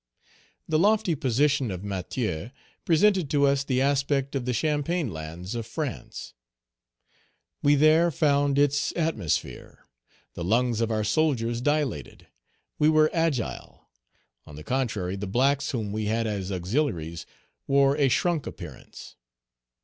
Page 202 "The lofty position of Matheux presented to us the aspect of the champaign lands of France; we there found its atmosphere; the lungs of our soldiers dilated; we were agile; on the contrary, the blacks, whom we had as auxiliaries, wore a shrunk appearance.